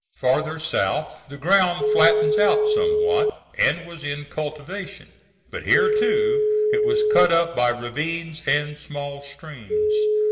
Farther south the ground flattens out somewhat, and was in cultivation. But here, too, it was cut up by ravines and small streams.